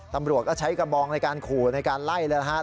ตำรวจก็ใช้กระบองในการขู่ในการไล่แล้วฮะ